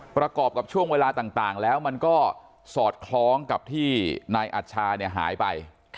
ประกอบกับช่วงเวลาต่างแล้วมันก็สอดคล้องกับที่นายอัชชาหายไป